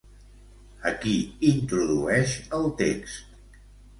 A qui introdueix el text?